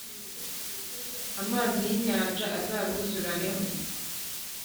amazi y’inyanja azabuzuraneho,